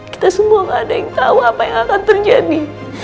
kita semua gak ada yang tahu apa yang akan terjadi